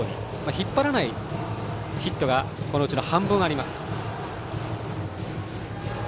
引っ張らないヒットがこのうちの半分あります。